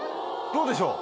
どうでしょう？